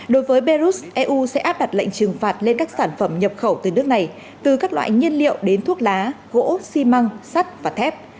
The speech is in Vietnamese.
đối với belarus eu sẽ áp đặt lệnh trừng phạt lên các sản phẩm nhập khẩu từ nước này từ các loại nhiên liệu đến thuốc lá gỗ xi măng sắt và thép